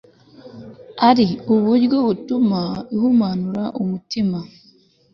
ari uburyo butuma ihumanura umutima